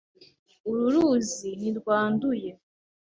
Uru ruzi ntirwanduye.